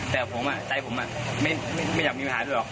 แต่ผมใจผมไม่อยากมีปัญหาด้วยหรอก